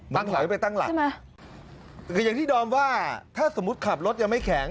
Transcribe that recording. ตั้งหลักไปตั้งหลักอย่างที่ดอมว่าถ้าสมมุติขับรถยังไม่แข็ง